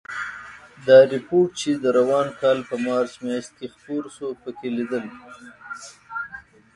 دا رپوټ چې د روان کال په مارچ میاشت کې خپور شو، پکې لیدل